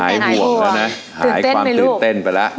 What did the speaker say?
ห่วงแล้วนะหายความตื่นเต้นไปแล้ว